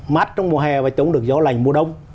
mát trong mùa hè và chống được gió lành mùa đông